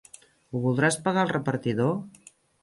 Ho voldràs pagar al repartidor?